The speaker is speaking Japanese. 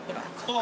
あ